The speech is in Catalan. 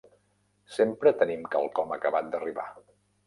Sempre tenim quelcom acabat d'arribar.